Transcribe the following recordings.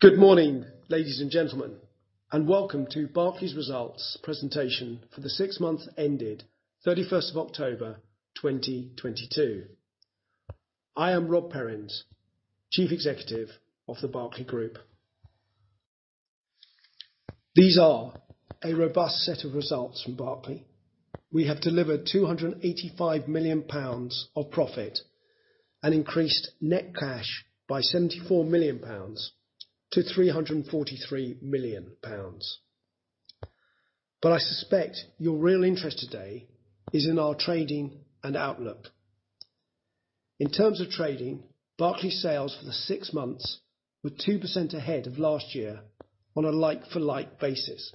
Good morning, ladies and gentlemen, and welcome to Berkeley's results presentation for the six months ended 31st of October, 2022. I am Rob Perrins, Chief Executive of the Berkeley Group. These are a robust set of results from Berkeley. We have delivered 285 million pounds of profit and increased net cash by 74 million pounds to 343 million pounds. I suspect your real interest today is in our trading and outlook. In terms of trading, Berkeley sales for the six months were 2% ahead of last year on a like for like basis.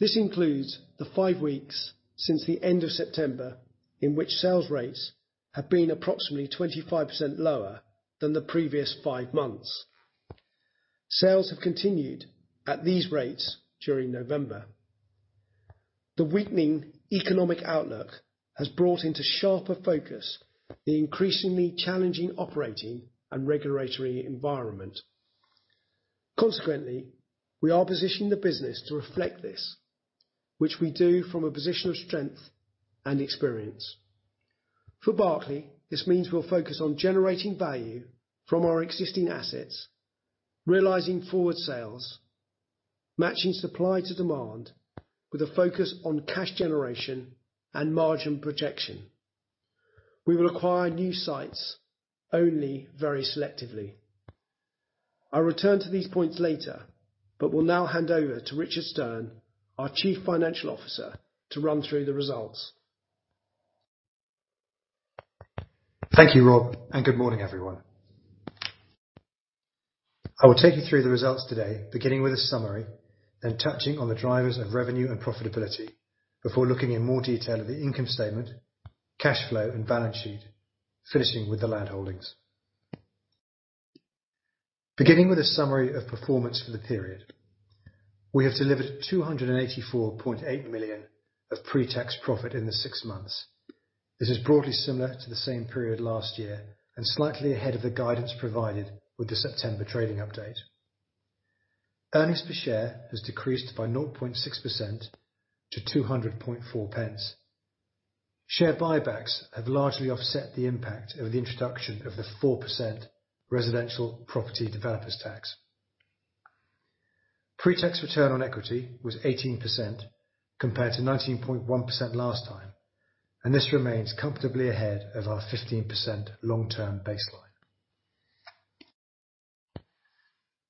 This includes the five weeks since the end of September, in which sales rates have been approximately 25% lower than the previous five months. Sales have continued at these rates during November. The weakening economic outlook has brought into sharper focus the increasingly challenging operating and regulatory environment. We are positioning the business to reflect this, which we do from a position of strength and experience. For Berkeley, this means we'll focus on generating value from our existing assets, realizing Forward Sales, matching supply to demand with a focus on cash generation and margin protection. We will acquire new sites only very selectively. I'll return to these points later, but will now hand over to Richard Stearn, our chief financial officer, to run through the results. Thank you, Rob. Good morning, everyone. I will take you through the results today, beginning with a summary, then touching on the drivers of revenue and profitability before looking in more detail at the income statement, cash flow and balance sheet, finishing with the Land Holdings. Beginning with a summary of performance for the period. We have delivered 284.8 million of pre-tax profit in the six months. This is broadly similar to the same period last year and slightly ahead of the guidance provided with the September trading update. Earnings per share has decreased by 0.6% to 2.004. Share Buybacks have largely offset the impact of the introduction of the 4% Residential Property Developer Tax. Pre-tax Return on Equity was 18% compared to 19.1% last time, this remains comfortably ahead of our 15% long-term baseline.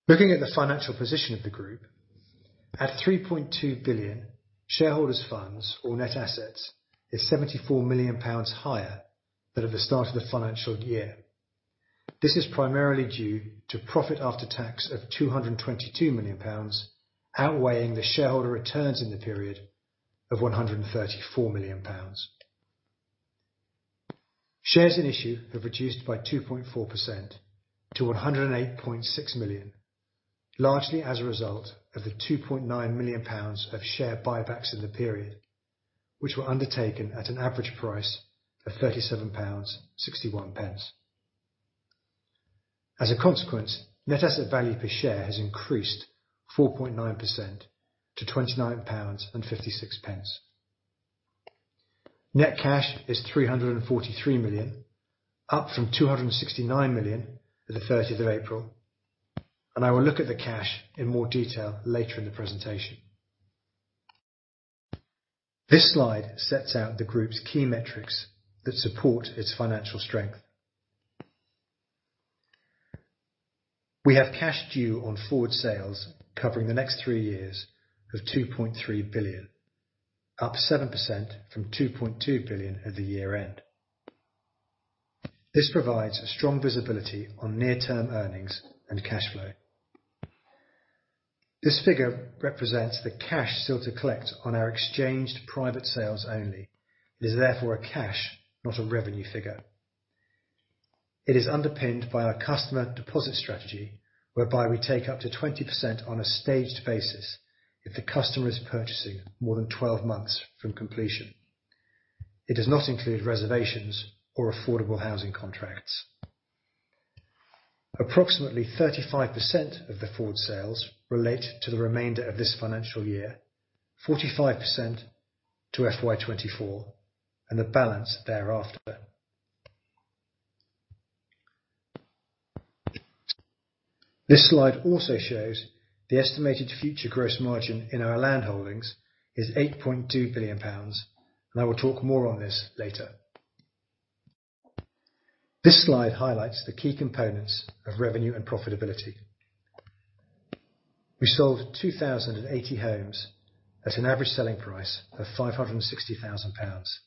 Looking at the financial position of the group. At 3.2 billion shareholders funds or net assets is 74 million pounds higher than at the start of the financial year. This is primarily due to profit after tax of GBP 222 million, outweighing the shareholder returns in the period of GBP 134 million. Shares in issue have reduced by 2.4% to 108.6 million, largely as a result of the 2.9 million pounds of Share Buybacks in the period, which were undertaken at an average price of 37.61 pounds. Net Asset Value per share has increased 4.9% to 29.56 pounds. Net cash is 343 million, up from 269 million at the 30th of April. I will look at the cash in more detail later in the presentation. This slide sets out the group's key metrics that support its financial strength. We have cash due on Forward Sales covering the next three years of 2.3 billion, up 7% from 2.2 billion at the year-end. This provides a strong visibility on near-term earnings and cash flow. This figure represents the cash still to collect on our exchanged private sales only. It is therefore a cash, not a revenue figure. It is underpinned by our customer deposit strategy, whereby we take up to 20% on a staged basis if the customer is purchasing more than 12 months from completion. It does not include reservations or affordable housing contracts. Approximately 35% of the Forward Sales relate to the remainder of this financial year. 45% to FY24 and the balance thereafter. This slide also shows the estimated future Gross Margin in our Land Holdings is 8.2 billion pounds. I will talk more on this later. This slide highlights the key components of revenue and profitability. We sold 2,080 homes at an average selling price of 560,000 pounds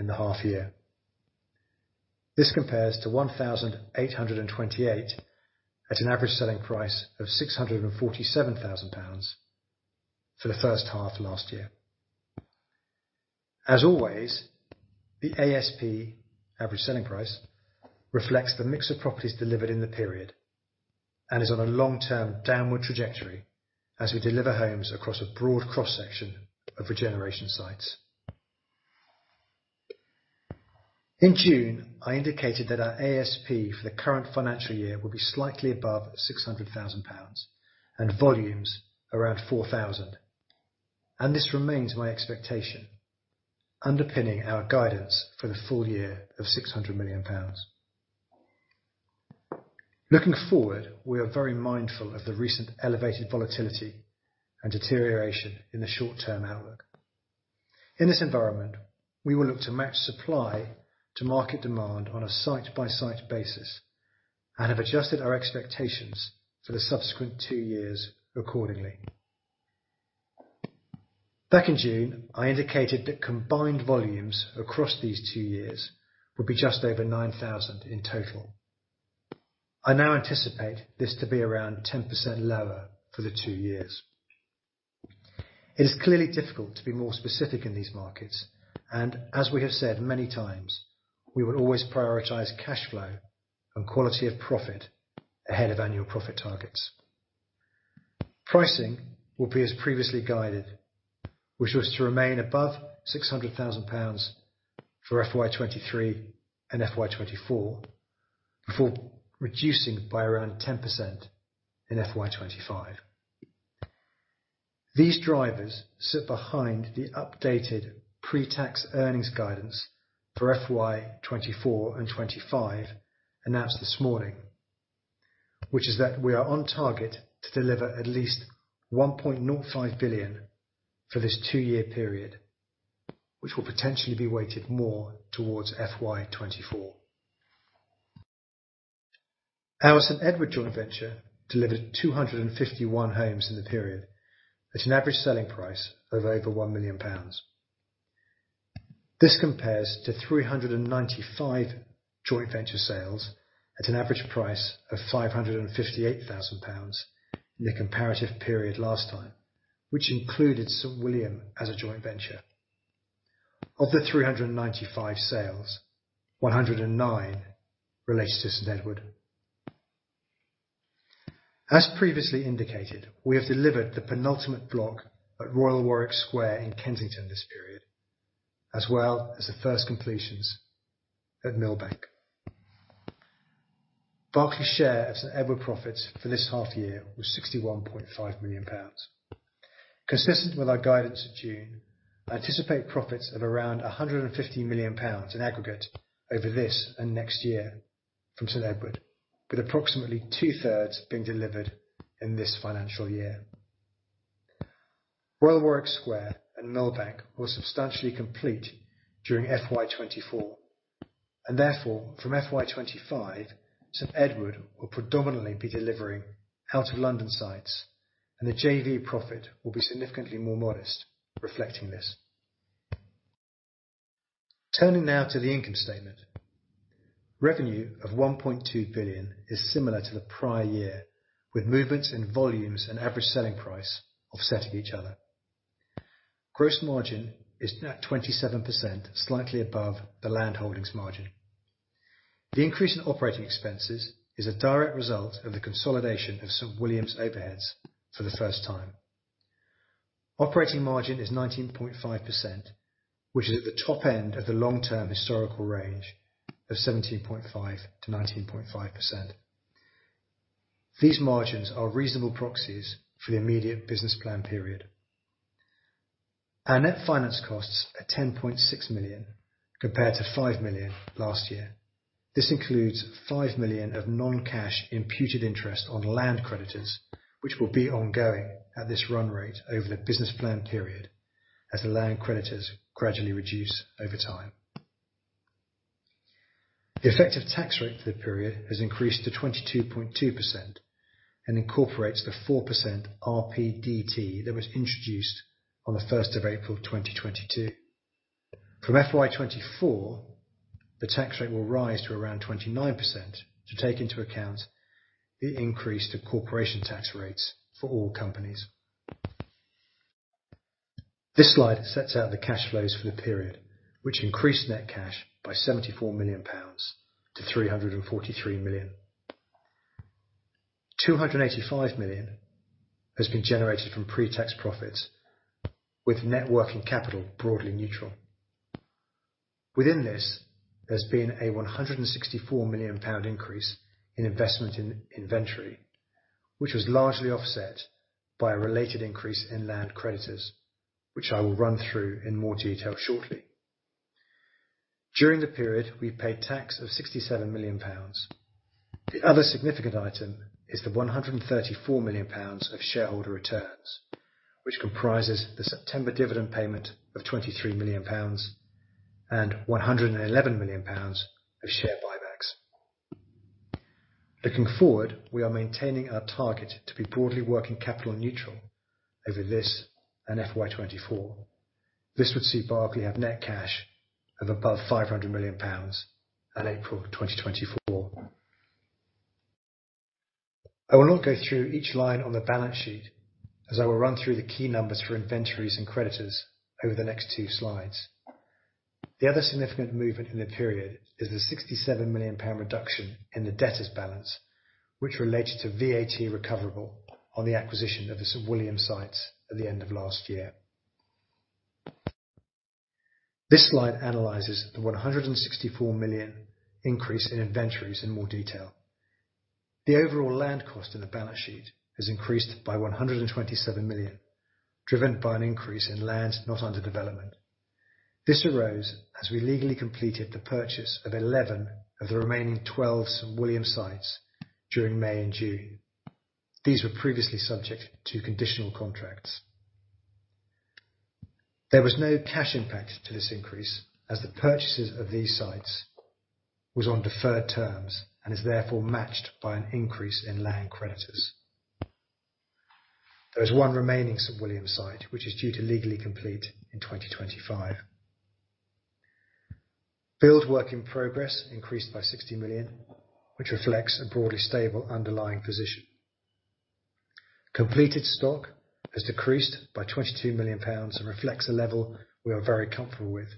in the half year. This compares to 1,828 at an average selling price of 647,000 pounds for the first half last year. As always, the ASP, Average Selling Price, reflects the mix of properties delivered in the period and is on a long term downward trajectory as we deliver homes across a broad cross-section of regeneration sites. In June, I indicated that our ASP for the current financial year will be slightly above 600,000 pounds and volumes around 4,000. This remains my expectation, underpinning our guidance for the full year of 600 million pounds. Looking forward, we are very mindful of the recent elevated volatility and deterioration in the short-term outlook. In this environment, we will look to match supply to market demand on a site-by-site basis, and have adjusted our expectations for the subsequent two years accordingly. Back in June, I indicated that combined volumes across these two years would be just over 9,000 in total. I now anticipate this to be around 10% lower for the two years. It is clearly difficult to be more specific in these markets, and as we have said many times, we would always prioritize cash flow and quality of profit ahead of annual profit targets. Pricing will be as previously guided, which was to remain above 600,000 pounds for FY23 and FY24, before reducing by around 10% in FY25. These drivers sit behind the updated pre-tax earnings guidance for FY24 and 25 announced this morning, which is that we are on target to deliver at least 1.05 billion for this 2-year period, which will potentially be weighted more towards FY24. Our St Edward joint venture delivered 251 homes in the period at an average selling price of over 1 million pounds. This compares to 395 joint venture sales at an average price of 558,000 pounds in the comparative period last time, which included St William as a joint venture. Of the 395 sales, 109 relate to St Edward. As previously indicated, we have delivered the penultimate block at Royal Warwick Square in Kensington this period, as well as the first completions at Millbank. Berkeley's share of St Edward profits for this half year was 61.5 million pounds. Consistent with our guidance in June, I anticipate profits of around 150 million pounds in aggregate over this and next year from St Edward, with approximately 2/3 being delivered in this financial year. Royal Warwick Square and Millbank will substantially complete during FY24. Therefore, from FY25, St Edward will predominantly be delivering out of London sites, and the JV profit will be significantly more modest, reflecting this. Turning now to the income statement. Revenue of 1.2 billion is similar to the prior year, with movements in volumes and Average Selling Price offsetting each other. Gross Margin is now at 27%, slightly above the Land Holdings margin. The increase in operating expenses is a direct result of the consolidation of St William's overheads for the first time. Operating Margin is 19.5%, which is at the top end of the long-term historical range of 17.5%-19.5%. These margins are reasonable proxies for the immediate business plan period. Our net finance costs are 10.6 million, compared to 5 million last year. This includes 5 million of non-cash imputed interest on land creditors, which will be ongoing at this run rate over the business plan period as the land creditors gradually reduce over time. The effective tax rate for the period has increased to 22.2% and incorporates the 4% RPDT that was introduced on the 1st of April 2022. From FY24, the tax rate will rise to around 29% to take into account the increase to corporation tax rates for all companies. This slide sets out the cash flows for the period, which increased net cash by 74 million pounds to 343 million. 285 million has been generated from pre-tax profits, with net working capital broadly neutral. Within this, there's been a 164 million pound increase in investment in inventory, which was largely offset by a related increase in land creditors, which I will run through in more detail shortly. During the period, we paid tax of 67 million pounds. The other significant item is the 134 million pounds of shareholder returns, which comprises the September dividend payment of 23 million pounds and 111 million pounds of Share Buybacks. Looking forward, we are maintaining our target to be broadly Working Capital Neutral over this and FY24. This would see Berkeley have net cash of above 500 million pounds at April 2024. I will not go through each line on the balance sheet as I will run through the key numbers for inventories and creditors over the next two slides. The other significant movement in the period is the 67 million pound reduction in the debtors balance, which related to VAT recoverable on the acquisition of the St William sites at the end of last year. This slide analyzes the 164 million increase in inventories in more detail. The overall land cost in the balance sheet has increased by 127 million, driven by an increase in lands not under development. This arose as we legally completed the purchase of 11 of the remaining 12 St William sites during May and June. These were previously subject to conditional contracts. There was no cash impact to this increase as the purchases of these sites was on deferred terms and is therefore matched by an increase in land creditors. There is one remaining St William site, which is due to legally complete in 2025. Build work in progress increased by 60 million, which reflects a broadly stable underlying position. Completed stock has decreased by 22 million pounds and reflects a level we are very comfortable with,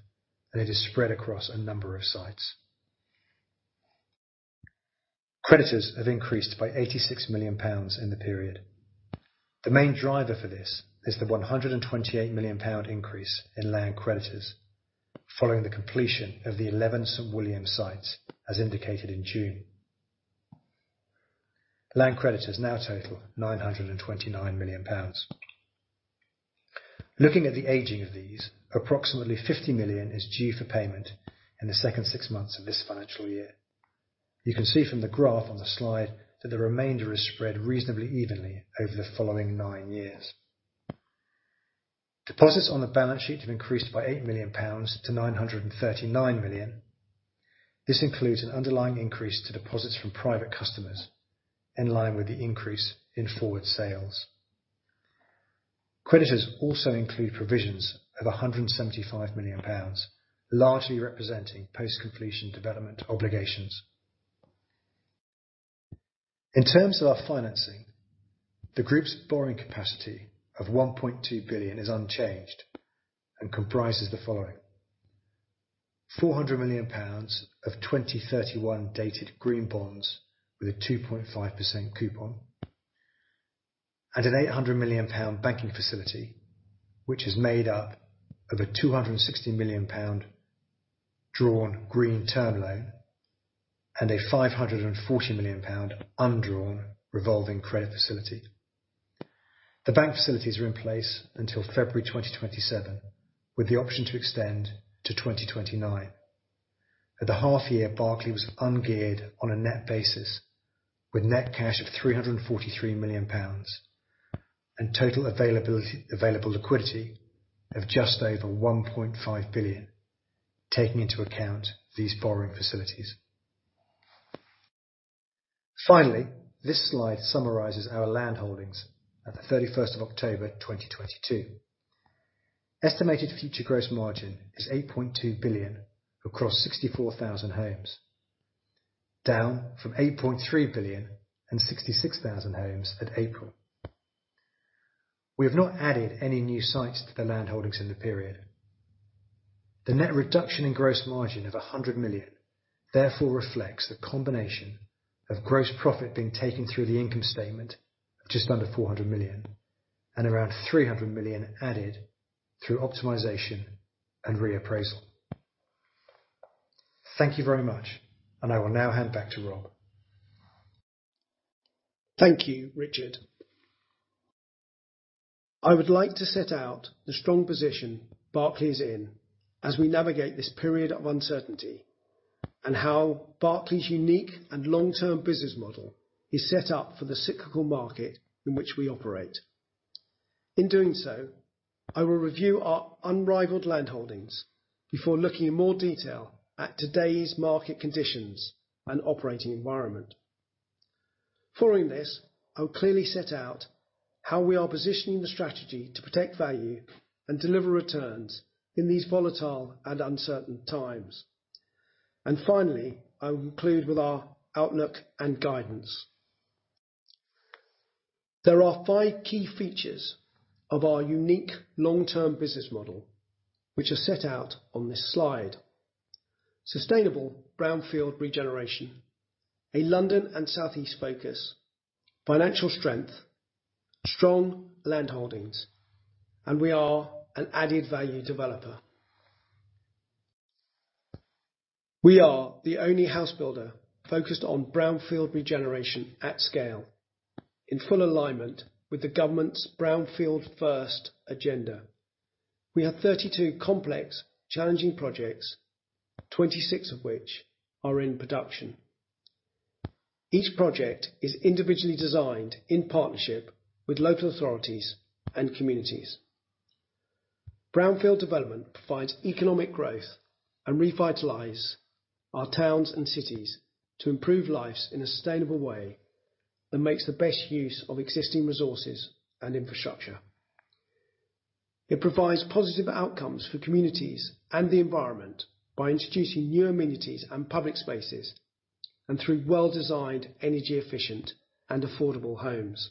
it is spread across a number of sites. Creditors have increased by 86 million pounds in the period. The main driver for this is the 128 million pound increase in land creditors following the completion of the 11 St William sites as indicated in June. Land creditors now total 929 million pounds. Looking at the aging of these, approximately 50 million is due for payment in the second six months of this financial year. You can see from the graph on the slide that the remainder is spread reasonably evenly over the following nine years. Deposits on the balance sheet have increased by 8 million pounds to 939 million. This includes an underlying increase to deposits from private customers in line with the increase in Forward Sales. Creditors also include provisions of 175 million pounds, largely representing post-completion development obligations. In terms of our financing, the group's borrowing capacity of 1.2 billion is unchanged and comprises the following: 400 million pounds of 2031 dated Green Bonds with a 2.5% coupon and a 800 million pound banking facility which is made up of a 260 million pound drawn Green Term Loan and a 540 million pound undrawn revolving credit facility. The bank facilities are in place until February 2027, with the option to extend to 2029. At the half year, Berkeley was ungeared on a net basis with net cash of 343 million pounds and total available liquidity of just over 1.5 billion, taking into account these borrowing facilities. Finally, this slide summarizes our Land Holdings at the 31st of October, 2022. Estimated future Gross Margin is 8.2 billion across 64,000 homes, down from 8.3 billion and 66,000 homes at April. We have not added any new sites to the Land Holdings in the period. The net reduction in Gross Margin of 100 million therefore reflects the combination of gross profit being taken through the income statement of just under 400 million and around 300 million added through optimization and reappraisal. Thank you very much and I will now hand back to Rob. Thank you, Richard. I would like to set out the strong position Berkeley is in as we navigate this period of uncertainty and how Berkeley's unique and long-term business model is set up for the cyclical market in which we operate. In doing so, I will review our unrivaled Land Holdings before looking in more detail at today's market conditions and operating environment. Following this, I will clearly set out how we are positioning the strategy to protect value and deliver returns in these volatile and uncertain times. Finally, I will conclude with our outlook and guidance. There are five key features of our unique long-term business model, which are set out on this slide. Sustainable brownfield regeneration, a London and South East focus, financial strength, strong Land Holdings, and we are an added value developer. We are the only house builder focused on brownfield regeneration at scale in full alignment with the government's brownfield first agenda. We have 32 complex challenging projects, 26 of which are in production. Each project is individually designed in partnership with local authorities and communities. Brownfield development provides economic growth and revitalizes our towns and cities to improve lives in a sustainable way that makes the best use of existing resources and infrastructure. It provides positive outcomes for communities and the environment by introducing new amenities and public spaces and through well-designed energy efficient and affordable homes.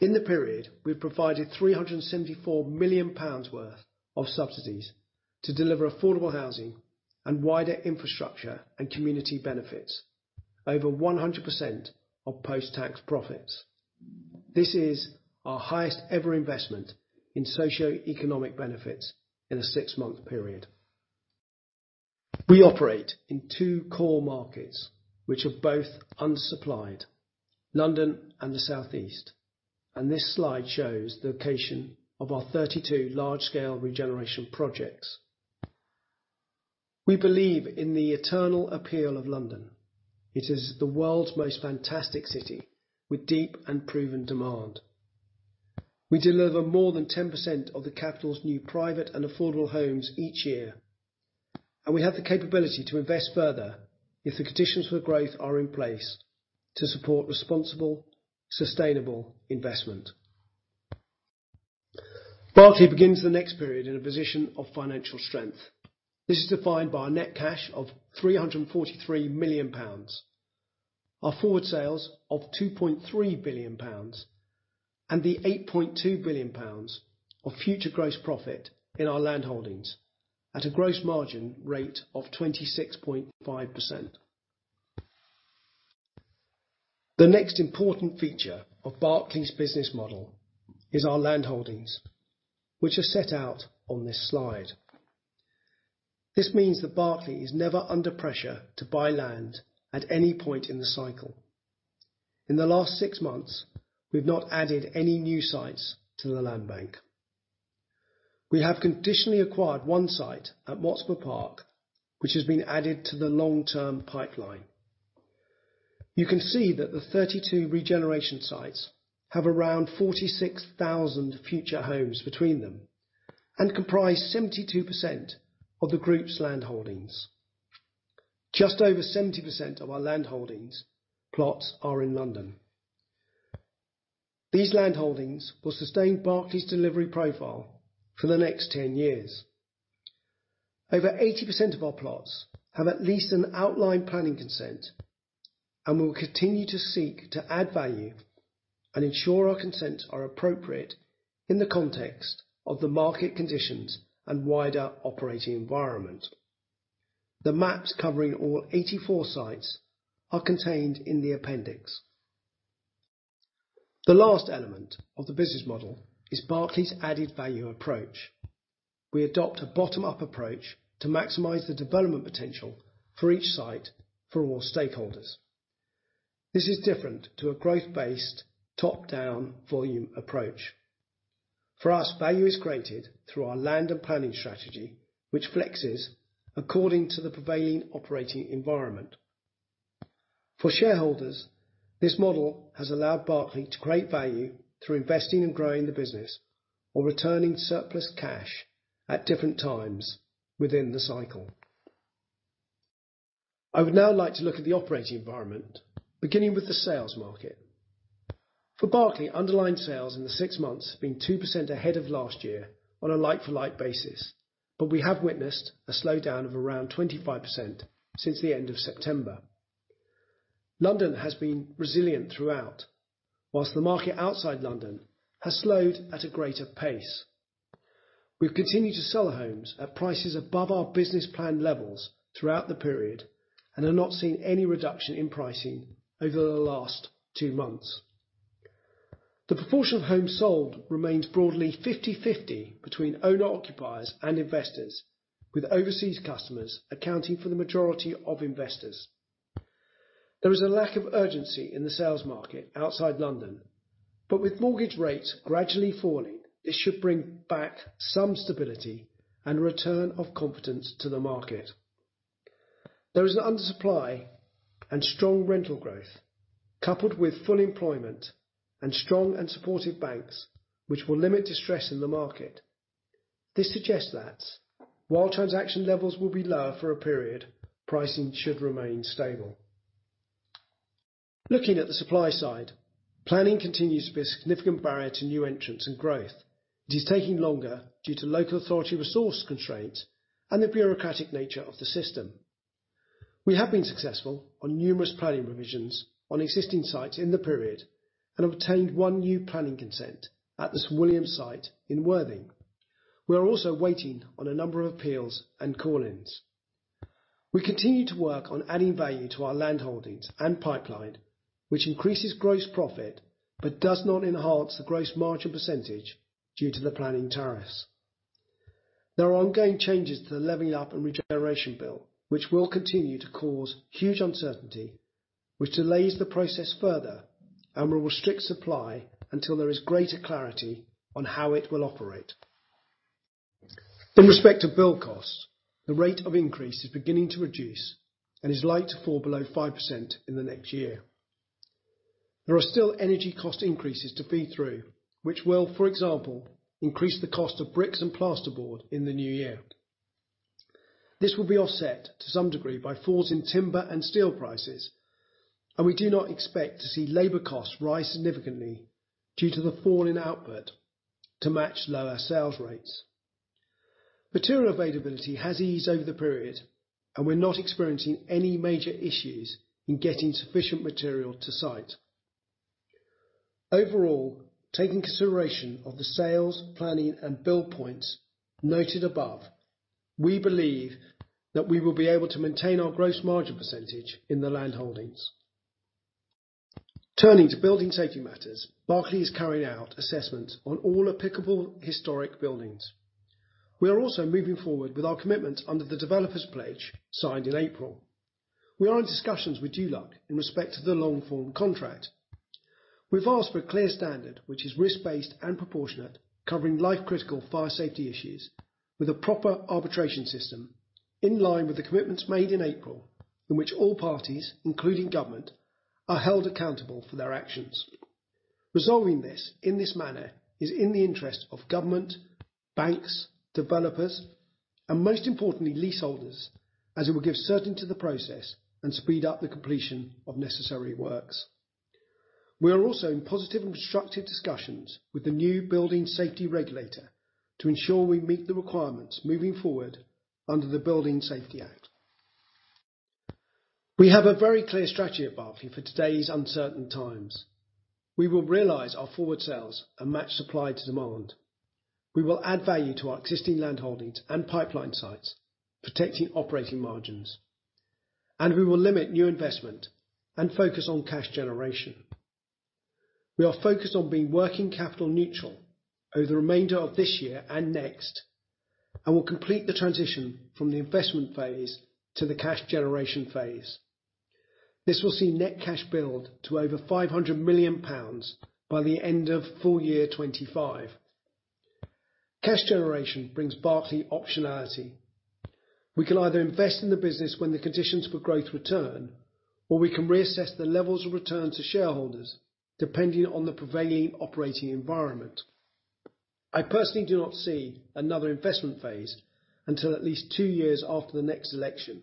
In the period, we've provided 374 million pounds worth of subsidies to deliver affordable housing and wider infrastructure and community benefits, over 100% of post-tax profits. This is our highest ever investment in socioeconomic benefits in a six-month period. We operate in two core markets, which are both undersupplied, London and the South East. This slide shows the location of our 32 large-scale regeneration projects. We believe in the eternal appeal of London. It is the world's most fantastic city with deep and proven demand. We deliver more than 10% of the capital's new private and affordable homes each year. We have the capability to invest further if the conditions for growth are in place to support responsible, sustainable investment. Berkeley begins the next period in a position of financial strength. This is defined by net cash of 343 million pounds, our Forward Sales of 2.3 billion pounds, the 8.2 billion pounds of future gross profit in our Land Holdings at a Gross Margin rate of 26.5%. The next important feature of Berkeley's business model is our Land Holdings, which are set out on this slide. This means that Berkeley is never under pressure to buy land at any point in the cycle. In the last 6 months, we've not added any new sites to the land bank. We have conditionally acquired one site at Watts Park, which has been added to the long-term pipeline. You can see that the 32 regeneration sites have around 46,000 future homes between them and comprise 72% of the group's Land Holdings. Just over 70% of our Land Holdings plots are in London. These Land Holdings will sustain Berkeley's delivery profile for the next 10 years. Over 80% of our plots have at least an outline planning consent. We will continue to seek to add value and ensure our consents are appropriate in the context of the market conditions and wider operating environment. The maps covering all 84 sites are contained in the appendix. The last element of the business model is Berkeley's added value approach. We adopt a bottom-up approach to maximize the development potential for each site for all stakeholders. This is different to a growth-based, top-down volume approach. For us, value is created through our land and planning strategy, which flexes according to the prevailing operating environment. For shareholders, this model has allowed Berkeley to create value through investing and growing the business or returning surplus cash at different times within the cycle. I would now like to look at the operating environment, beginning with the sales market. For Berkeley, underlying sales in the six months have been 2% ahead of last year on a like-for-like basis, but we have witnessed a slowdown of around 25% since the end of September. London has been resilient throughout, while the market outside London has slowed at a greater pace. We've continued to sell homes at prices above our business plan levels throughout the period and have not seen any reduction in pricing over the last two months. The proportion of homes sold remains broadly 50/50 between owner/occupiers and investors, with overseas customers accounting for the majority of investors. There is a lack of urgency in the sales market outside London, but with mortgage rates gradually falling, this should bring back some stability and return of confidence to the market. There is an undersupply and strong rental growth coupled with full employment and strong and supportive banks which will limit distress in the market. This suggests that while transaction levels will be lower for a period, pricing should remain stable. Looking at the supply side, planning continues to be a significant barrier to new entrants and growth. It is taking longer due to local authority resource constraints and the bureaucratic nature of the system. We have been successful on numerous planning provisions on existing sites in the period and obtained one new planning consent at the St William site in Worthing. We are also waiting on a number of appeals and call-ins. We continue to work on adding value to our Land Holdings and pipeline, which increases gross profit but does not enhance the Gross Margin percentage due to the planning tariffs. There are ongoing changes to the Levelling-up and Regeneration Bill, which will continue to cause huge uncertainty, which delays the process further and will restrict supply until there is greater clarity on how it will operate. In respect of build costs, the rate of increase is beginning to reduce and is likely to fall below 5% in the next year. There are still energy cost increases to feed through, which will, for example, increase the cost of bricks and plasterboard in the new year. This will be offset to some degree by falls in timber and steel prices, and we do not expect to see labor costs rise significantly due to the fall in output to match lower sales rates. Material availability has eased over the period, and we're not experiencing any major issues in getting sufficient material to site. Overall, taking consideration of the sales, planning, and build points noted above, we believe that we will be able to maintain our Gross Margin percentage in the Land Holdings. Turning to building safety matters, Berkeley is carrying out assessments on all applicable historic buildings. We are also moving forward with our commitments under the Developer Pledge signed in April. We are in discussions with DLUHC in respect to the long-form contract. We've asked for a clear standard, which is risk-based and proportionate, covering life-critical fire safety issues with a proper arbitration system in line with the commitments made in April, in which all parties, including government, are held accountable for their actions. Resolving this in this manner is in the interest of government, banks, developers, and most importantly, leaseholders, as it will give certainty to the process and speed up the completion of necessary works. We are also in positive and constructive discussions with the new Building Safety Regulator to ensure we meet the requirements moving forward under the Building Safety Act. We have a very clear strategy at Berkeley for today's uncertain times. We will realize our Forward Sales and match supply to demand. We will add value to our existing landholdings and pipeline sites, protecting Operating Margin. We will limit new investment and focus on cash generation. We are focused on being Working Capital Neutral over the remainder of this year and next, and we'll complete the transition from the investment phase to the cash generation phase. This will see net cash build to over 500 million pounds by the end of full year 2025. Cash generation brings Berkeley optionality. We can either invest in the business when the conditions for growth return, or we can reassess the levels of return to shareholders depending on the prevailing operating environment. I personally do not see another investment phase until at least two years after the next election,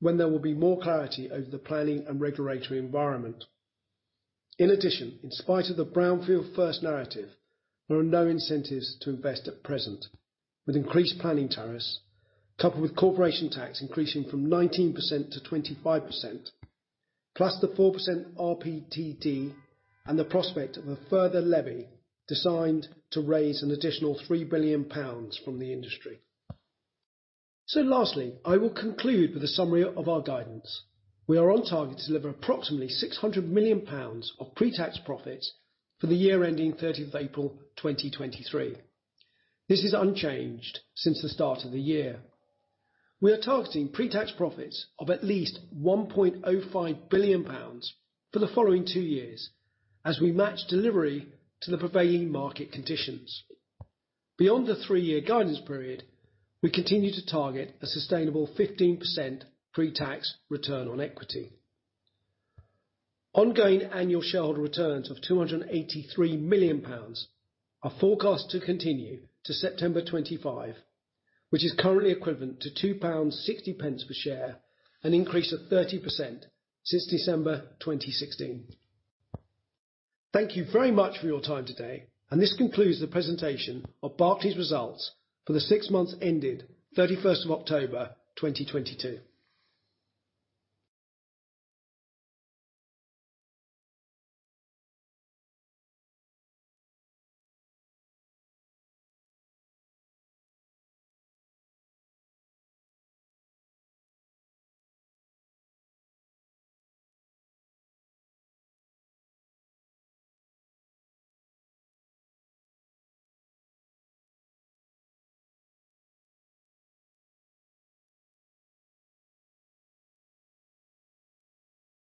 when there will be more clarity over the planning and regulatory environment. In addition, in spite of the brownfield first narrative, there are no incentives to invest at present. With increased planning tariffs, coupled with corporation tax increasing from 19% to 25%, plus the 4% RPDT and the prospect of a further levy designed to raise an additional 3 billion pounds from the industry. Lastly, I will conclude with a summary of our guidance. We are on target to deliver approximately 600 million pounds of pre-tax profits for the year ending 13th April 2023. This is unchanged since the start of the year. We are targeting pre-tax profits of at least 1.05 billion pounds for the following two years as we match delivery to the prevailing market conditions. Beyond the three-year guidance period, we continue to target a sustainable 15% Pre-tax Return on Equity. Ongoing annual shareholder returns of 283 million pounds are forecast to continue to September 2025, which is currently equivalent to 2.60 pounds per share, an increase of 30% since December 2016. Thank you very much for your time today. This concludes the presentation of Berkeley's results for the six months ended 31st of October, 2022.